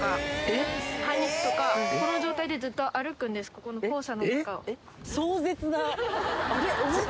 ここの校舎の中を。